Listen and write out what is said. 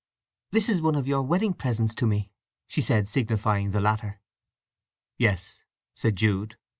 "This is one of your wedding presents to me," she said, signifying the latter. "Yes," said Jude.